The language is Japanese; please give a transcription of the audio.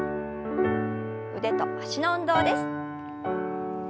腕と脚の運動です。